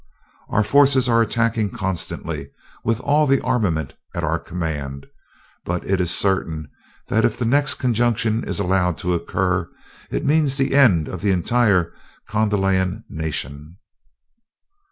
Our forces are attacking constantly, with all the armament at our command, but it is certain that if the next conjunction is allowed to occur, it means the end of the entire Kondalian nation."'